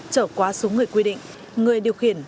chở quá số người quy định người điều khiển